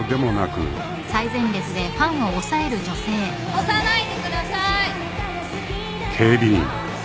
押さないでください。